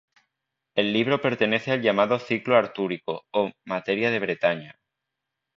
El libro pertenece al llamado ciclo artúrico o materia de Bretaña.